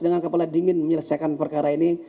dengan kepala dingin menyelesaikan perkara ini